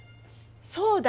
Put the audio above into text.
そうだ！